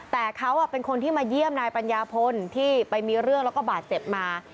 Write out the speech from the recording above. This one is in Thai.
แต่เขาเป็นคนที่มาเยี่ยมนายปัญญาพลที่ไปมีเรื่องแล้วก็บาดเจ็บมา